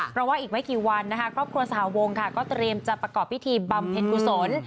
เพราะว่าอีกไม่กี่วันนะคะครอบครัวสหวงค่ะก็เตรียมจะประกอบพิธีบำเพ็ญกุศล